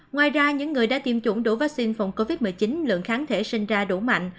ngoài ra những người đã tiêm chủng đủ vaccine phòng covid một mươi chín lượng kháng thể sinh ra đủ mạnh